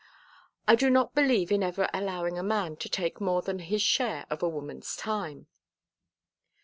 "I do not believe in ever allowing a man to take more than his share of a woman's time."